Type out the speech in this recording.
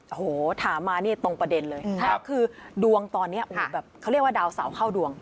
โอ้โหถามมานี่ตรงประเด็นเลยคือดวงตอนนี้โอ้โหแบบเขาเรียกว่าดาวเสาเข้าดวง